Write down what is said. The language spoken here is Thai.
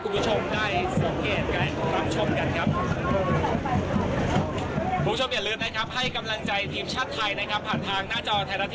คุณผู้ชมจะได้เห็นทุกปุ่มของการแข่นอย่างแน่นอนครับ